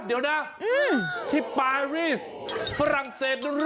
เดี๋ยวนะที่ปราฤทธิ์ฝรั่งเศส